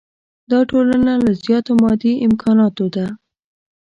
دا ټولنه له زیاتو مادي امکاناتو ده.